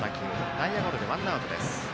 内野ゴロでワンアウトです。